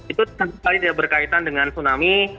itu terkait dengan tsunami